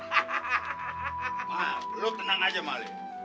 mak lo tenang aja malik